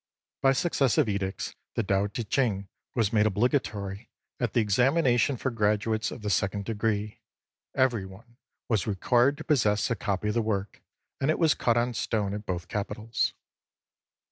By successive edicts the Tao Ti Ching was made obligatory at the examination for graduates of the second degree, every one was required to possess a copy of the work, and it was cut on stone at both capitals.